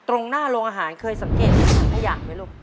ตรงหน้าโรงอาหารเคยสังเกตถังขยะไหมลูก